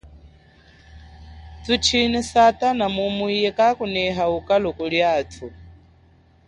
Tuchine satana mumu iye kakuneha ukalu kuli atu.